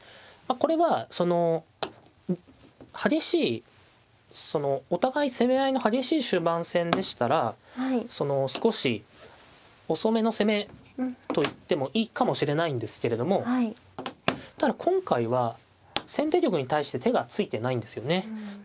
まあこれはその激しいそのお互い攻め合いの激しい終盤戦でしたらその少し遅めの攻めと言ってもいいかもしれないんですけれどもただ今回は先手玉に対して手がついてないんですよね。